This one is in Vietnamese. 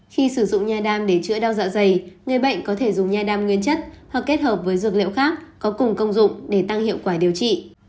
khi sử dụng nha đam để chữa đau dạ dày người bệnh có thể dùng nha đam nguyên chất hoặc kết hợp với dược liệu khác có cùng công dụng để tăng hiệu quả điều trị